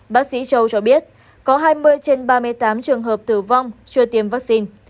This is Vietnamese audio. bác sĩ châu cho biết có hai mươi trên ba mươi tám trường hợp tử vong chưa tiêm vaccine